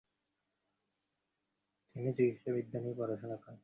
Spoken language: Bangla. তিনি চিকিৎসাবিদ্যা নিয়ে পড়াশোনা করেন।